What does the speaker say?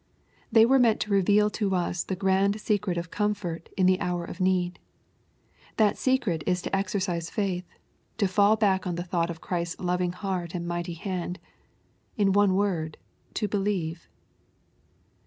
They were meant to reveal to us the grand secret of comfort in the hour of need. That secret is to exercise faith, to fall back on the thought of Christ's loving heart and mighty hand, — in one word, to believe.